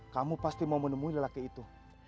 kamu pasti mau menemui lelaki itu